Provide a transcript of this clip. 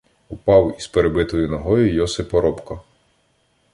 Впав із перебитою ногою Йосип Оробко.